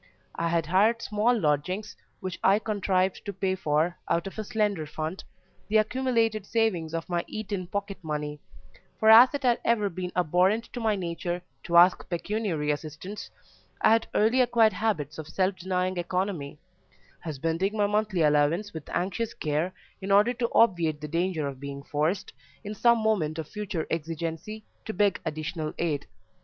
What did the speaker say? I had hired small lodgings, which I contrived to pay for out of a slender fund the accumulated savings of my Eton pocket money; for as it had ever been abhorrent to my nature to ask pecuniary assistance, I had early acquired habits of self denying economy; husbanding my monthly allowance with anxious care, in order to obviate the danger of being forced, in some moment of future exigency, to beg additional aid.